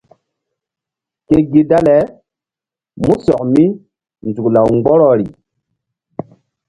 Ke gi dale músɔk mi nzuk law mgbɔrɔri.